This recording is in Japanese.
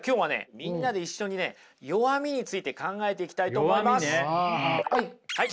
みんなで一緒にね弱みについて考えていきたいと思います。